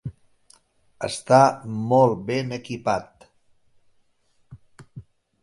Està molt ben equipat.